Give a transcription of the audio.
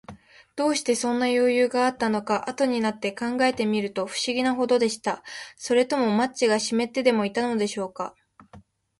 どうして、そんなよゆうがあったのか、あとになって考えてみると、ふしぎなほどでした。それともマッチがしめってでもいたのでしょうか。